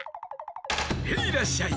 ヘイらっしゃい！